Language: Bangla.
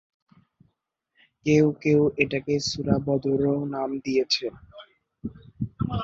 কেউ কেউ এটাকে সূরা ‘বদর’ও নাম দিয়েছেন।